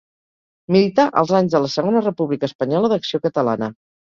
Milità als anys de la Segona República Espanyola d'Acció Catalana.